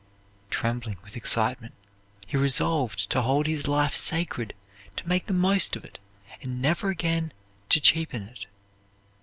Trembling with excitement he resolved to hold his life sacred, to make the most of it, and never again to cheapen it.